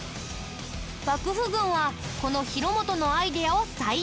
幕府軍はこの広元のアイデアを採用。